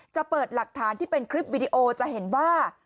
เปิดหลักฐานที่เป็นคลิปวิดีโอจะเห็นว่า